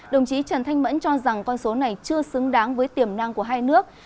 đồng chí trần thanh mẫn cho rằng con số này chưa xứng đáng với tiềm năng của hai nước